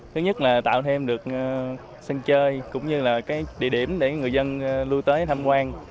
thứ nhất là tạo thêm được sân chơi cũng như là cái địa điểm để người dân lưu tới tham quan